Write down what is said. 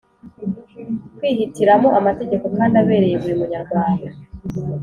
Kwihitiramo amategeko kandi abereye buri munyarwanda